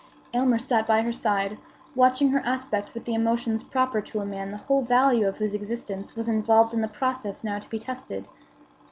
Aylmer sat by her side, watching her aspect with the emotions proper to a man the whole value of whose existence was involved in the process now to be tested.